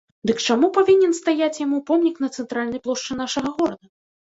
Дык чаму павінен стаяць яму помнік на цэнтральнай плошчы нашага горада?